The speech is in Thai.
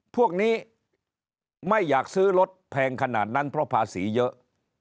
พวกนี้ไม่อยากซื้อรถแพงขนาดนั้นเพราะภาษีเยอะ